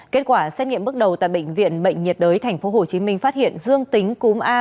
kết quả xét nghiệm bước đầu tại bệnh viện bệnh nhiệt đới tp hcm phát hiện dương tính cúm a